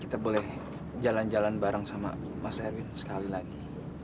kita boleh jalan jalan bareng sama mas erwin sekali lagi